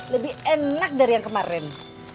lebih enak dari yang kemarin